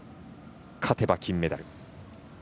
勝てば金メダル。